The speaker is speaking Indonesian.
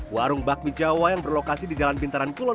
warung bakmi jawa yang berlokasi di jalan bintaran kulon